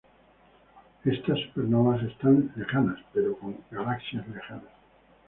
Estas supernovas están lejanas, pero con galaxias lejanas.